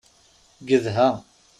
Gedha.